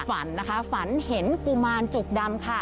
ฝันนะคะฝันเห็นกุมารจุกดำค่ะ